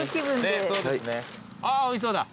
あーおいしそうだ。